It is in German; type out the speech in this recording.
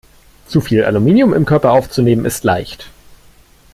Zu viel Aluminium im Körper aufzunehmen, ist leicht.